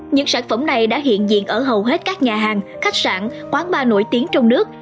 những sản phẩm này đã hiện diện ở hầu hết các nhà hàng khách sạn quán bar nổi tiếng trong nước